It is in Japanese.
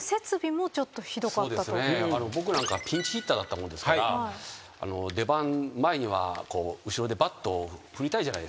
僕なんかピンチヒッターだったもんですから出番前には後ろでバットを振りたいじゃないですか。